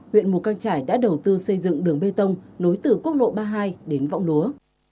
huyện mù căng trải đã đầu tư xây dựng đường bê tông nối từ quốc lộ ba mươi hai đến võng lúa